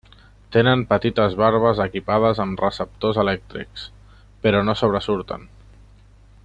Tenen petites barbes equipades amb receptors elèctrics, però no sobresurten.